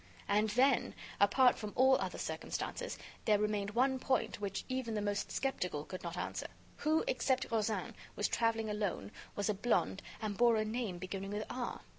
And then, apart from all other circumstances, there remained one point which even the most skeptical could not answer: Who except Rozaine, was traveling alone, was a blonde, and bore a name beginning with R?